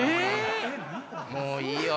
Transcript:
もういいよ。